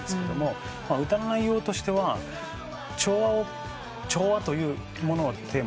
歌の内容としては調和というものをテーマに書いてて。